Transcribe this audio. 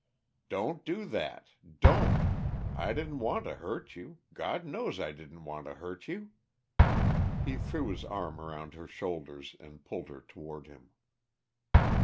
"Don't do that don't! I didn't want to hurt you God knows I didn't want to hurt you!" He threw his seem around her shoulders and pulled her toward him.